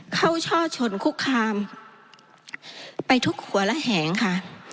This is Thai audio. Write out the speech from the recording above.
ช่อชนคุกคามไปทุกหัวระแหงค่ะ